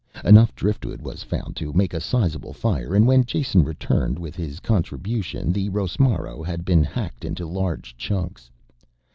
Enough driftwood was found to make a sizable fire, and when Jason returned with his contribution the rosmaro had been hacked into large chunks.